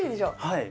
はい。